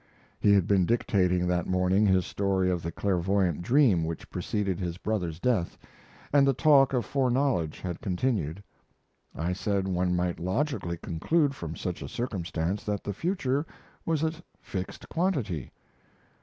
He had been dictating that morning his story of the clairvoyant dream which preceded his brother's death, and the talk of foreknowledge had continued. I said one might logically conclude from such a circumstance that the future was a fixed quantity.